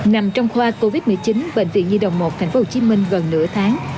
nằm trong khoa covid một mươi chín bệnh viện nhi đồng một thành phố hồ chí minh gần nửa tháng